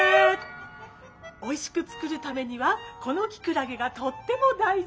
おいしく作るためにはこのキクラゲがとっても大事。